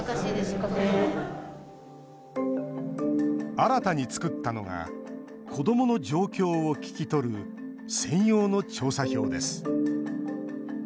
新たに作ったのが子どもの状況を聞き取る専用の調査票です。